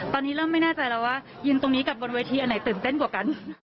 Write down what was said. ตอนนี้เริ่มไม่แน่ใจแล้วว่ายืนตรงนี้กับบนวันวันวันอื่น